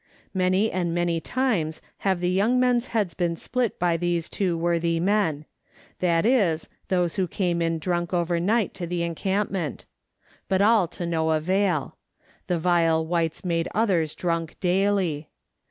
Many and many times have the young men's heads been split by these two worthy men ; that is, those who came in drunk over night to the encampment ; but all to no avail. The vile whites made others drunk daily.